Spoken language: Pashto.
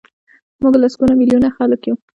موږ لسګونه میلیونه خلک یو.